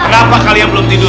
berapa kali yang belum tidur